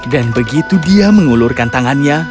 dan begitu dia mengulurkan tangannya